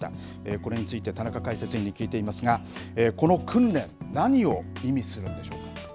これについて田中解説委員に聞いてみますがこの訓練何を意味するんでしょうか。